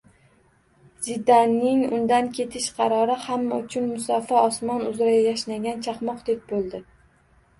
Zidanning undan ketish qarori hamma uchun musaffo osmon uzra yashnagan chaqmoqdek bo‘ldi.